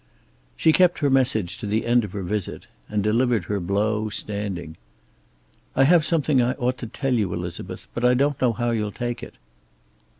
She kept her message to the end of her visit, and delivered her blow standing. "I have something I ought to tell you, Elizabeth. But I don't know how you'll take it."